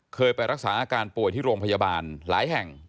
เคยไปรักษาอาการป่วยที่โรงพยาบาลหลายแห่ง